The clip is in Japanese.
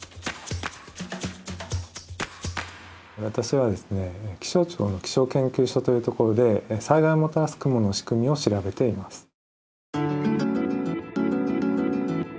私はですね気象庁の気象研究所というところで災害をもたらす雲の仕組みを調べています。